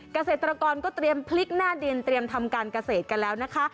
เกษตรกรก็เตรียมพลิกหน้าดินเตรียมทำการเกษตรกันแล้วนะคะ